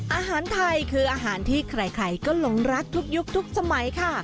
อาหารไทยคืออาหารที่ใครก็หลงรักทุกยุคทุกสมัยค่ะ